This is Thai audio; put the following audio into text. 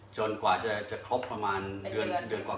กว่าจะครบประมาณเดือนกว่า